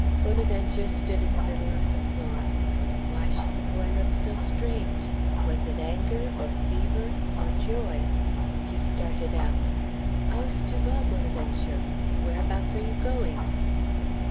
Bonaventure stood in the middle of the floor. Why should the boy look so strange? Was it anger, or fever, or joy? He started out. "A ou ce tu va Bonaventure?" "Whereabouts are you going?"